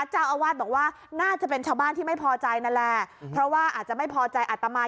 เจ้าอาวาสบอกว่าน่าจะเป็นชาวบ้านที่ไม่พอใจนั่นแหละเพราะว่าอาจจะไม่พอใจอัตมา